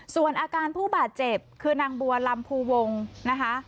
ส่วนอาการผู้บาดเจ็บคือนางบัวลำภูวงนะคะ